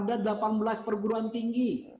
ada delapan belas perguruan tinggi